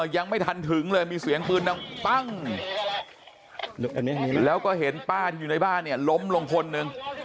ยังไม่ทันถึงเลยมีเสียงปืนดังปั้งแล้วก็เห็นป้าที่อยู่ในบ้านเนี่ยล้มลงคนหนึ่ง